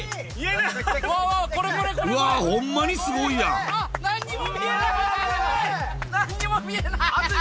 なんにも見えない。